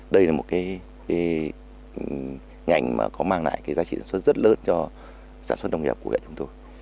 đây là một cái ngành mà có mang lại cái giá trị sản xuất rất lớn cho sản xuất nông nghiệp của viện yên thế chúng tôi